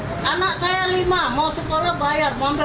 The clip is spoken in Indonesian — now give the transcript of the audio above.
anak saya lima mau sekolah bayar mau beraput bayar